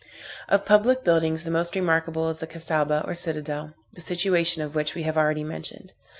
Of public buildings, the most remarkable is the Cassaubah, or citadel, the situation of which we have already mentioned.